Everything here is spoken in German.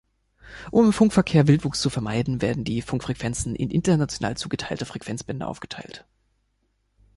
Um im Funkverkehr Wildwuchs zu vermeiden, werden die Funkfrequenzen in international zugeteilte Frequenzbänder aufgeteilt.